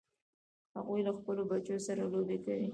هغوی له خپلو بچو سره لوبې کوي